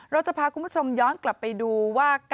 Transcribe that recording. เราจะพาคุณผู้ชมย้อนกลับไปดูว่า